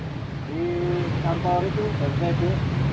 di kantor itu bantai itu